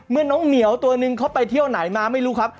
น้องเหมียวตัวนึงเขาไปเที่ยวไหนมาไม่รู้ครับ